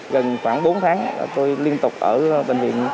gần khoảng bốn tháng tôi liên tục ở bệnh viện